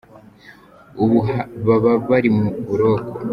Ubu baba bari mu buroko !